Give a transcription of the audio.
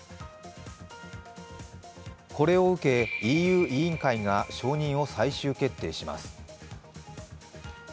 これを受け、ＥＵ委員会が承認を最終決定します。